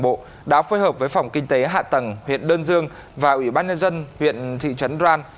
bộ đã phối hợp với phòng kinh tế hạ tầng huyện đơn dương và ủy ban nhân dân huyện thị trấn đoan